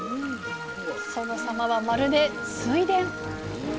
その様はまるで水田。